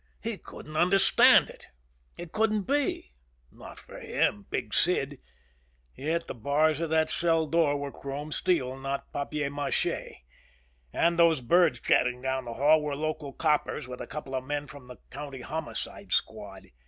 He couldn't understand it. It couldn't be. Not for him, Big Sid. Yet the bars of that cell door were chrome steel, not papier mache. And those birds chatting down the hall were local coppers with a couple of men from the County Homicide Squad.